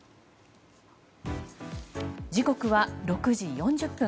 時刻は６時４０分。